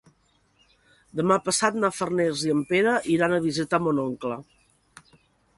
Demà passat na Farners i en Pere iran a visitar mon oncle.